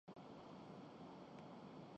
بصری معذوریوں کا شکار صارفین کی مدد